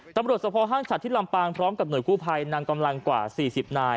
ตำรวจสภห้างฉัดที่ลำปางพร้อมกับหน่วยกู้ภัยนำกำลังกว่า๔๐นาย